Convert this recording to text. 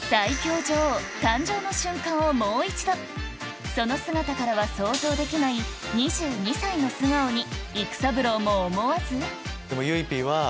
をもう一度その姿からは想像できない２２歳の素顔に育三郎も思わずさらっと。